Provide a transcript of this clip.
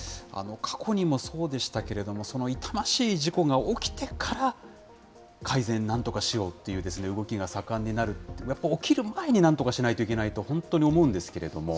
過去にもそうでしたけれども、その痛ましい事故が起きてから改善、なんとかしようっていう動きが盛んになるっていう、起きる前になんとかしないといけないと、本当に思うんですけれども。